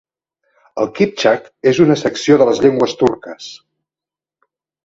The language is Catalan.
El kiptxak és una secció de les llengües turques.